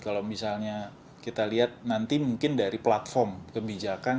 kalau misalnya kita lihat nanti mungkin dari platform kebijakan